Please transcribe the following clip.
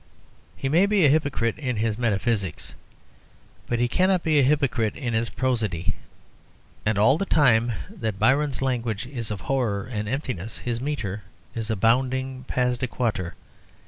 He may be a hypocrite in his metaphysics, but he cannot be a hypocrite in his prosody. And all the time that Byron's language is of horror and emptiness, his metre is a bounding pas de quatre.